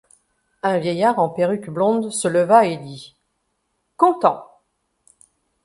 Un vieillard en perruque blonde se leva et dit :— Content.